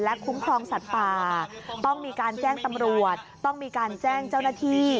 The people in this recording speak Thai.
คุ้มครองสัตว์ป่าต้องมีการแจ้งตำรวจต้องมีการแจ้งเจ้าหน้าที่